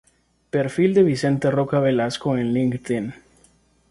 Perfil de Vicente Roca Velasco en Linkedin